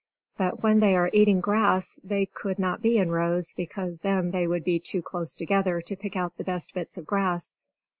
But when they are eating grass, they could not be in rows; because then they would be too close together to pick out the best bits of grass.